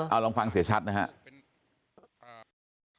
เอาลองฟังเสียชัดนะครับ